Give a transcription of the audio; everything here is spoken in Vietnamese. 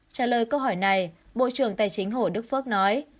trả lời câu hỏi này bộ trưởng tài chính hồ đức phước nói